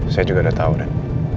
saya juga udah tau ren